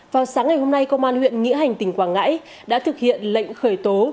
vào sáng ngày hôm nay công an huyện nghĩa hành tỉnh quảng ngãi đã thực hiện lệnh khởi tố